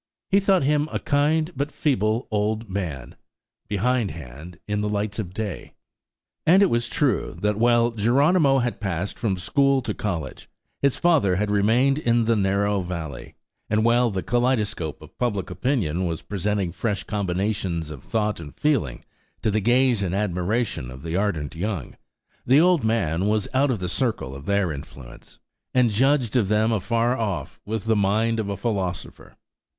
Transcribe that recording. He thought him a kind but feeble old man, behindhand in the lights of day. And it was true that while Geronimo had passed from school to college, his father had remained in the narrow valley; and while the kaleidoscope of public opinion was presenting fresh combinations of thought and feeling to the gaze and admiration of the ardent young, the old man was out of the circle of their influence, and judged of them afar off with the mind of a philosopher.